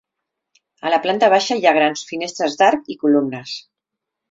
A la planta baixa hi ha grans finestres d'arc i columnes.